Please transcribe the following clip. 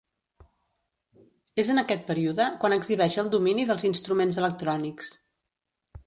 És en aquest període quan exhibeix el domini dels instruments electrònics.